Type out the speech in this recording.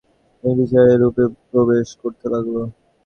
সে স্রোতমুখে ভারত ও প্রাচীন গ্রীসের বিদ্যাবুদ্ধি ইউরোপে প্রবেশ করতে লাগল।